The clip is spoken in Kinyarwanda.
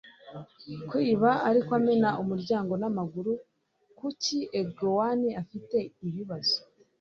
kwiba ariko amena umuryango n'amaguru? kuki egonwanne afite ibibazo